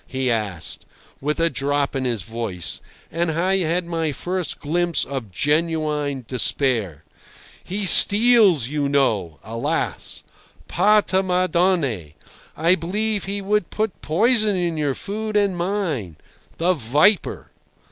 he asked, with a drop in his voice; and I had my first glimpse of genuine despair. "He steals, you know, alas! Par ta Madonne! I believe he would put poison in your food and mine—the viper!"